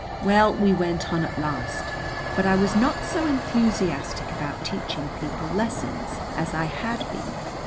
Well, we went on at last, but I was not so enthusiastic about teaching people lessons as I had been.